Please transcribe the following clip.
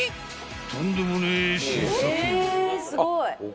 ［とんでもねえ新作］